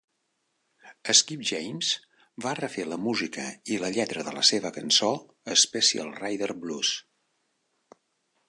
Skip James va refer la música i la lletra de la seva cançó "Special Rider Blues".